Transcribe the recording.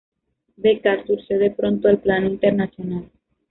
Beccar surgió de pronto al plano internacional.